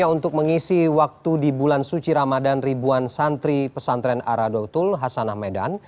untuk mengisi waktu di bulan suci ramadan ribuan santri pesantren aradotul hasanah medan